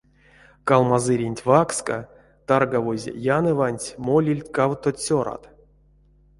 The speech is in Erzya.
Калмазыренть вакска таргавозь яннэванть молильть кавто цёрат.